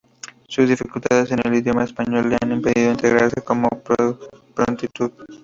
Sus dificultades con el idioma español le han impedido integrarse con prontitud.